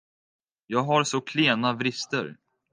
Jag har så klena vrister.